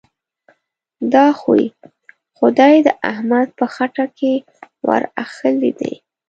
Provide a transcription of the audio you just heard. دا خوی؛ خدای د احمد په خټه کې ور اخښلی دی.